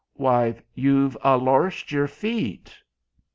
"Why, you've a loarst your feet."